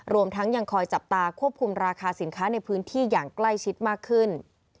รวมทั้งยังคอยจับตาควบคุมราคาสินค้าในพื้นที่อย่างใกล้ชิดมากขึ้น